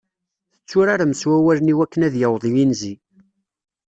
Tetturarem s wawalen iwakken ad yaweḍ yinzi.